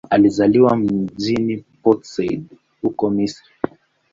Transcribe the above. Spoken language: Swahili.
Alizaliwa mjini Port Said, huko Misri.